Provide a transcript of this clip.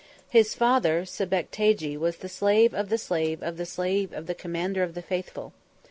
His father Sebectagi was the slave of the slave of the slave of the commander of the faithful.